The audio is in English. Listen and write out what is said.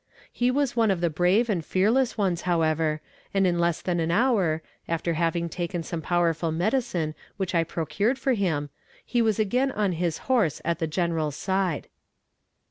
He was one of the brave and fearless ones, however, and in less than an hour, after having taken some powerful medicine which I procured for him, he was again on his horse, at the general's side.